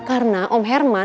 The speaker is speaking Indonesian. karena om herman